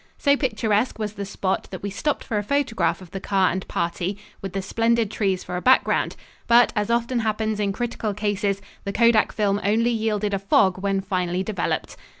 So picturesque was the spot that we stopped for a photograph of the car and party, with the splendid trees for a background, but, as often happens in critical cases, the kodak film only yielded a "fog" when finally developed.